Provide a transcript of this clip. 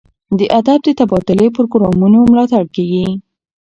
د ادب د تبادلې پروګرامونو ملاتړ کیږي.